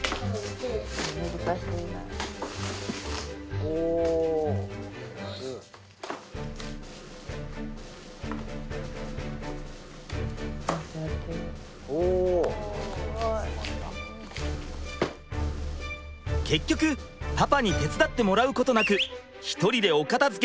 結局パパに手伝ってもらうことなく１人でお片づけ終了です！